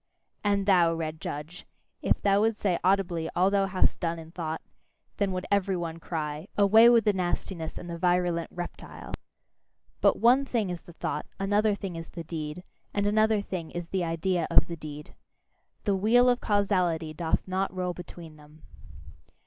And thou, red judge, if thou would say audibly all thou hast done in thought, then would every one cry: "Away with the nastiness and the virulent reptile!" But one thing is the thought, another thing is the deed, and another thing is the idea of the deed. The wheel of causality doth not roll between them.